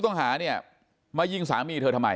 ต้องหาเนี่ยมายิงสามีเธอทำไม